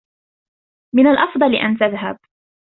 من الأفضل أن تذهب.